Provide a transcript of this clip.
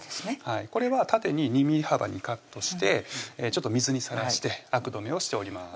これは縦に２ｍｍ幅にカットしてちょっと水にさらしてあく止めをしております